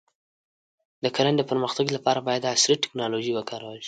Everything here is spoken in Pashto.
د کرنې د پرمختګ لپاره باید عصري ټکنالوژي وکارول شي.